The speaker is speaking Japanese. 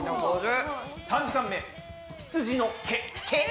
３時間目「ひつじの毛」。毛！